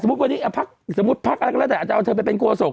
วันนี้พักสมมุติพักอะไรก็แล้วแต่อาจจะเอาเธอไปเป็นโฆษก